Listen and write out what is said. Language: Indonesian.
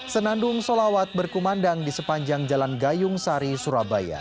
senandung solawat berkumandang di sepanjang jalan gayung sari surabaya